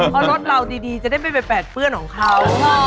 พวกเราที่ดีจะได้ไปแบบเพื่อนของเขา